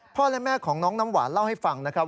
และแม่ของน้องน้ำหวานเล่าให้ฟังนะครับ